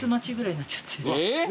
えっ？